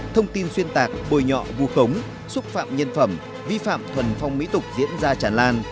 thông tin xuyên tạc bồi nhọ vù khống xúc phạm nhân phẩm vi phạm thuần phong mỹ tục diễn ra tràn lan